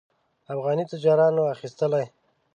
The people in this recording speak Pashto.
افغاني تاجرانو اخیستلې.